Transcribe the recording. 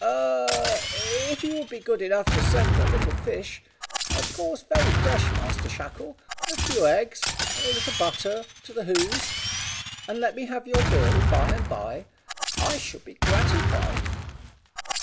"Er if you would be good enough to send a little fish of course very fresh, Master Shackle, and a few eggs, and a little butter to the Hoze, and let me have your bill by and by, I should be gratified."